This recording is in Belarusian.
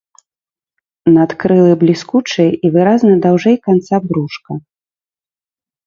Надкрылы бліскучыя і выразна даўжэй канца брушка.